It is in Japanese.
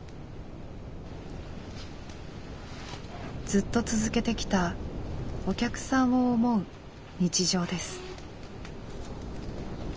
ずっと続けてきたお客さんを思う日常です。